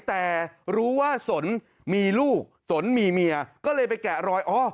แต่รู้ว่าสนมีลูกสนมีเมียก็เลยไปแกะรอยอ๋อ